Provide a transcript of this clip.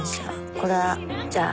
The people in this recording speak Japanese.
これはじゃあ。